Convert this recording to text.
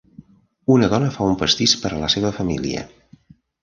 Una dona fa un pastís per a la seva família.